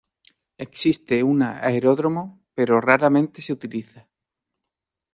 Existe un aeródromo, pero raramente se utiliza.